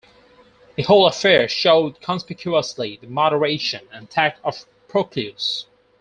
The whole affair showed conspicuously the moderation and tact of Proclus.